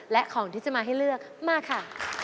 และของที่จะมาให้เลือกมาค่ะ